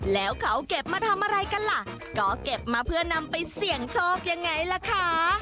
แล้วเขาเก็บมาทำอะไรกันล่ะก็เก็บมาเพื่อนำไปเสี่ยงโชคยังไงล่ะคะ